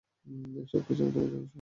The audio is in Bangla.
এই সব কিছু তোমার জন্য সহজ।